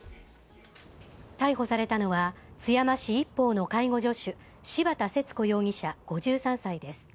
逮捕されたのは、津山市一方の介護助手、柴田節子容疑者５３歳です。